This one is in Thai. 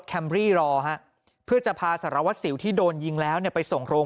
แคมบรี่รอเพื่อจะพาสารวัติสิวที่โดนยิงแล้วเนี่ยไปส่งโรง